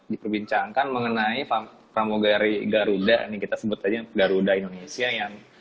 diperbincangkan mengenai pramugari garuda ini kita sebut aja garuda indonesia yang